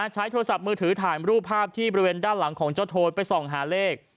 ใช้โทรศัพท์มือถือถ่ายรูปภาพที่บริเวณด้านหลังของเจ้าโทนไปส่องหาเลข